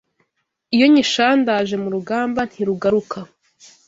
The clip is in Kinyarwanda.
Iyo nyishandaje mu rugamba ntirugaruka